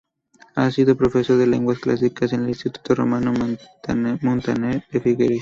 Ha sido profesor de lenguas clásicas en el Instituto Ramón Muntaner de Figueres.